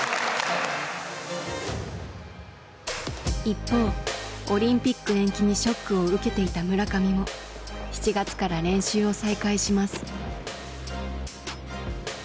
一方オリンピック延期にショックを受けていた村上も７月から練習を再開します。